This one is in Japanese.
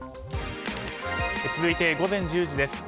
続いて、午前１０時です。